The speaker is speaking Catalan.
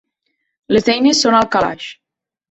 Les eines són al calaix.